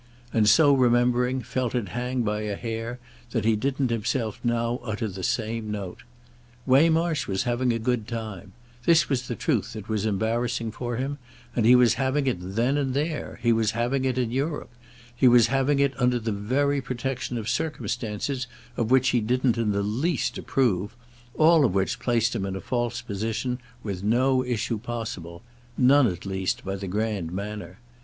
—and, so remembering, felt it hang by a hair that he didn't himself now utter the same note. Waymarsh was having a good time—this was the truth that was embarrassing for him, and he was having it then and there, he was having it in Europe, he was having it under the very protection of circumstances of which he didn't in the least approve; all of which placed him in a false position, with no issue possible—none at least by the grand manner.